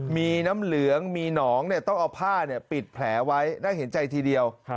มีน้ำเหลืองมีหนองต้องเอาผ้าปิดแผลไว้น่าเห็นใจทีเดียว